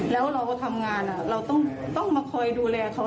แล้วเราทำงานเราต้องมาคอยดูแลเขา